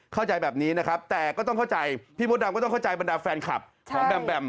เข้าใจแบบนี้นะครับแต่ก็ต้องเข้าใจพี่มดดำก็ต้องเข้าใจบรรดาแฟนคลับของแบมแบม